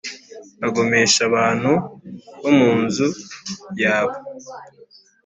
agomesha abantu bo mu nzu yawe